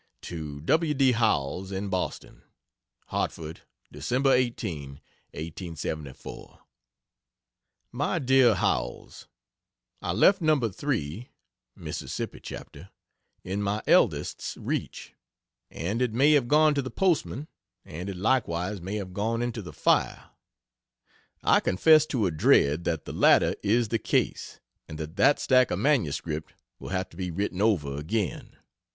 To W. D. Howells, in Boston: HARTFORD, Dec. 18, 1874. MY DEAR HOWELLS, I left No. 3, (Miss. chapter) in my eldest's reach, and it may have gone to the postman and it likewise may have gone into the fire. I confess to a dread that the latter is the case and that that stack of MS will have to be written over again.